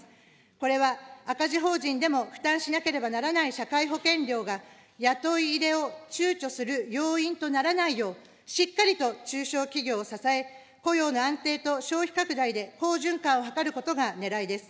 これは赤字法人でも負担しなければならない社会保険料が雇い入れをちゅうちょする要因とならないよう、しっかりと中小企業を支え、雇用の安定と消費拡大で好循環を図ることがねらいです。